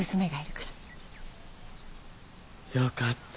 よかった。